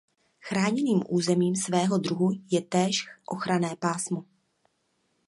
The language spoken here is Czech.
Chráněným územím svého druhu je též ochranné pásmo.